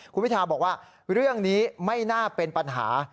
คุณพิทาบอกว่าเรื่องนี้ไม่น่าเป็นปัญหา